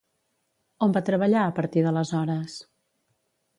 On va treballar a partir d'aleshores?